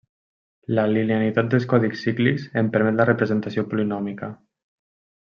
La linealitat dels codis cíclics en permet la representació polinòmica.